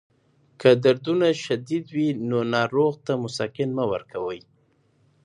که دردونه شدید وي، نو ناروغ ته مسکن مه ورکوئ.